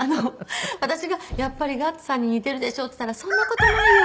私が「やっぱりガッツさんに似てるでしょ？」って言ったら「そんな事ないよ！